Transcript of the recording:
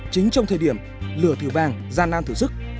chính trong thời điểm lửa thử vàng gian nan thử sức